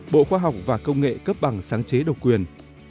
bộ khoa học và công nghệ cấp bằng sáng chế độc quyền